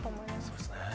そうですね。